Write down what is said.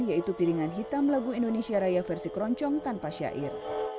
yaitu piringan hitam lagu indonesia raya versi keroncong tanpa syair